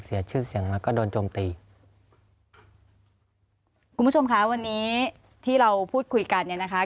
เสียชื่อเสียงแล้วก็โดนโจมตีคุณผู้ชมค่ะวันนี้ที่เราพูดคุยกันเนี่ยนะคะ